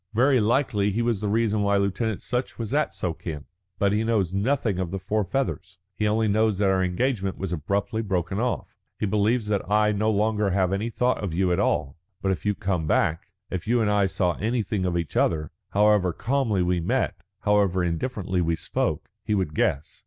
Very likely he was the reason why Lieutenant Sutch was at Suakin, but he knows nothing of the four feathers. He only knows that our engagement was abruptly broken off; he believes that I have no longer any thought of you at all. But if you come back, if you and I saw anything of each other, however calmly we met, however indifferently we spoke, he would guess.